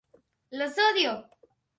Los Odio!